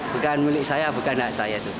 bukan milik saya bukan hak saya itu